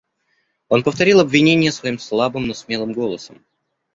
Он повторил обвинения свои слабым, но смелым голосом.